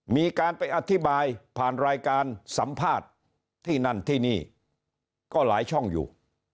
มีการไปอธิบายผ่านรายการสัมภาษณ์ที่นั่นที่นี่ก็หลายช่องอยู่